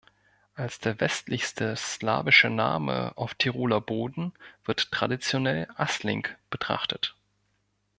Als der westlichste slawische Name auf Tiroler Boden wird traditionell "Assling" betrachtet.